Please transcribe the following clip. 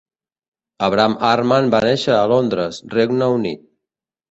Avraham Harman va néixer a Londres, Regne Unit.